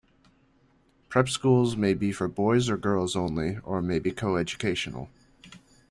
Prep schools may be for boys or girls only, or may be co-educational.